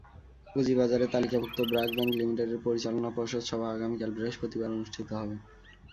পুঁজিবাজারে তালিকাভুক্ত ব্র্যাক ব্যাংক লিমিটেডের পরিচালনা পর্ষদ সভা আগামীকাল বৃহস্পতিবার অনুষ্ঠিত হবে।